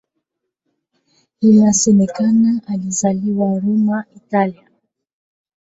Inasemekana alizaliwa Roma, Italia.